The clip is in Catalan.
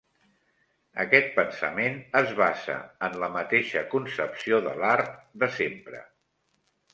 Aquest pensament es basa en la mateixa concepció de l'art de sempre.